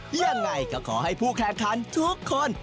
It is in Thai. ยังไงก็ขอให้ผู้แข่งขันทุกคน